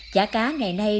chả cá ngày nay